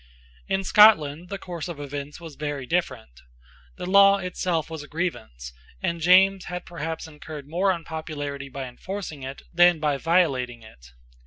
In Scotland the course of events was very different. There the law itself was a grievance; and James had perhaps incurred more unpopularity by enforcing it than by violating it.